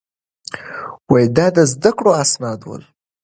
دا د ده د زده کړو اسناد ول.